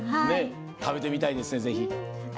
食べてみたいですね、ぜひ。